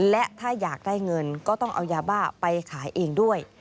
และถ้าอยากได้เงินก็ต้องเอายาบ้าไปขายเองด้วย